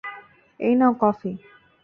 এই নাও কফি।